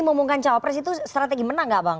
mengumumkan cawapres itu strategi menang gak bang